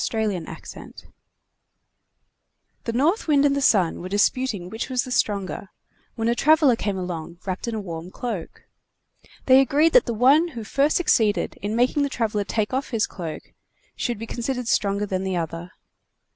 Orthographic version The North Wind and the Sun were disputing which was the stronger, when a traveler came along wrapped in a warm cloak. They agreed that the one who first succeeded in making the traveler take his cloak off should be considered stronger than the other.